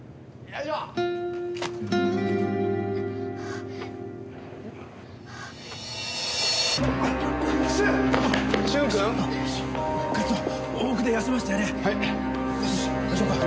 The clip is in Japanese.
大丈夫か？